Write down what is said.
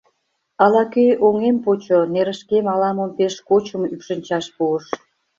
Ала-кӧ оҥем почо, нерышкем ала-мом пеш кочым ӱпшынчаш пуыш.